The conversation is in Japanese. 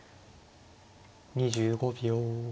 ２５秒。